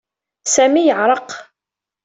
Sami yeɛreq.